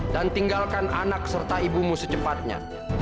dan tinggalkan anak serta ibumu secepatnya